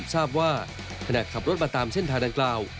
ทราบว่าขณะขับรถมาตามเส้นทางดังกล่าว